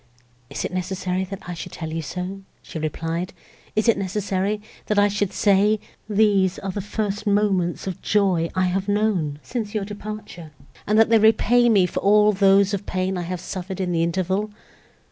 "Is it necessary that I should tell you so?" she replied, "is it necessary, that I should say—these are the first moments of joy I have known, since your departure, and that they repay me for all those of pain I have suffered in the interval?"